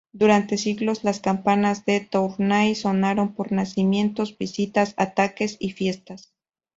Durante siglos, las campanas de Tournai sonaron por nacimientos, visitas, ataques y fiestas.